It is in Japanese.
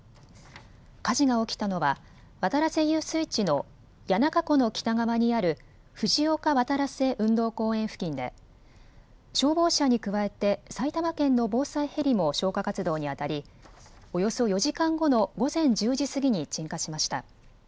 火事が起きたのは渡良瀬遊水地の谷中湖の北側にある藤岡渡良瀬運動公園付近で消防車に加えて埼玉県の防災ヘリも消火活動にあたりおよそ４時間後の午前１０時過ぎに鎮火しました。